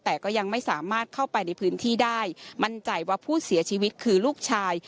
แต่ก็ยังไม่สามารถเข้าไปในพื้นที่ได้มั่นใจว่าผู้เสียชีวิตคือลูกชาย